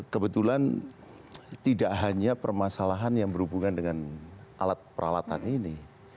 kebetulan tidak hanya permasalahan yang berhubungan dengan alat peralatan ini